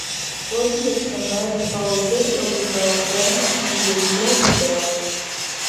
ڕۆژی یەکشەمە لە ساڵوەگەڕی ئەو ڕووداوە پەیامێکی ڤیدۆیی بڵاوکردەوە